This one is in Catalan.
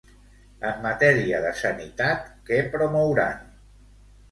En matèria de sanitat, què promouran?